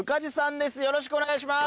よろしくお願いします。